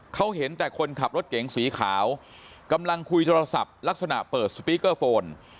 เขาเห็นแต่คนขับรถเก๋งสีขาวกำลังคุยโทรศัพท์ลักษณะเปิดสปีกเกอร์โฟน